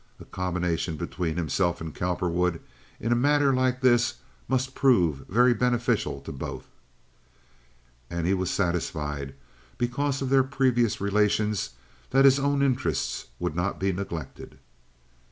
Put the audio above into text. A combination between himself and Cowperwood in a matter like this must prove very beneficial to both. And he was satisfied, because of their previous relations, that his own interests would not be neglected.